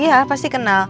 iya pasti kenal